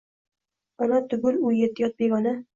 Ota tugul u yetti yot begona